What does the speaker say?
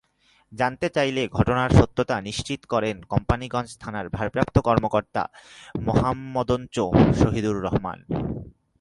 জানতে চাইলে ঘটনার সত্যতা নিশ্চিত করেন কোম্পানীগঞ্জ থানার ভারপ্রাপ্ত কর্মকর্তা মোহামঞ্চদ সাজেদুর রহমান।